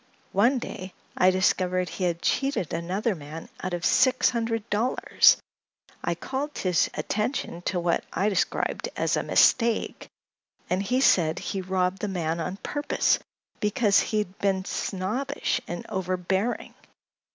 One day I discovered he had cheated another man out of six hundred dollars. I called his attention to what I described as a 'mistake,' and he said he robbed the man on purpose, because he had been snobbish and overbearing.